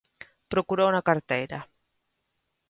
Procurou na carteira.